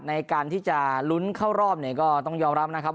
ในการที่จะลุ้นเข้ารอบเนี่ยก็ต้องยอมรับนะครับ